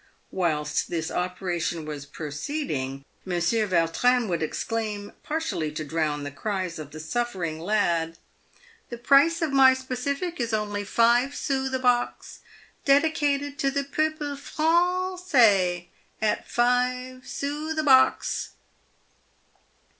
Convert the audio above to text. Whilst this operation was proceeding, Monsieur Vautrin would exclain, partially to drown the cries of the suffering lad, " The price of my specific is only five sous the box ! dedicated to the Peuple Er r r rancais, at five sous the box!"